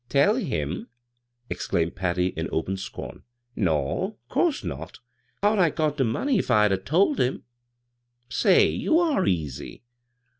" Tell him !" exclaimed Patty in op«i scorn. " Naw !— 'course not I How'd I got de money if I'd 'a* told him. Say, you are easy